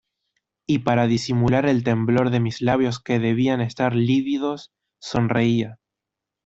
y para disimular el temblor de mis labios que debían estar lívidos, sonreía.